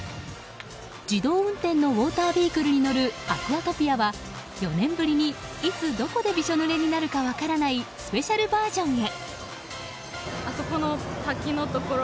自動運転のウォータービークルに乗るアクアトピアは、４年ぶりにいつどこでびしょぬれになるか分からないスペシャルバージョンへ。